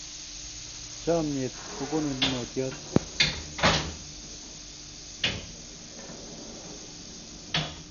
Chomnyet ko konunotyot ne makimuch kemwa ne yoe sobeet kosich komonutiet.